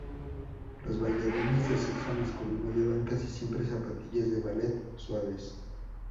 Los bailarines de sexo masculino llevan casi siempre zapatillas de "ballet" suaves.